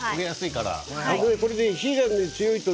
火が強いと。